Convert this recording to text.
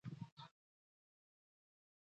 ښه ده چې دننه کور مو ګرم وي اوسمهال.